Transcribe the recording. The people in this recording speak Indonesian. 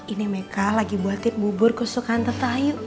ini mereka lagi buatin bubur kesukaan tante ayu